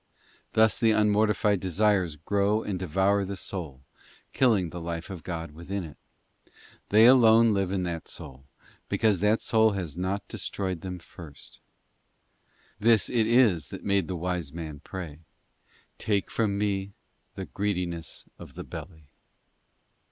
Thus the unmortified desires grow and devour the soul, killing the life of God within it. They alone live in that soul, because that soul has not destroyed them first. This it is that made the wise man pray: 'Take from me the greediness of the belly.